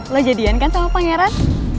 lo jadian kan sama pangeran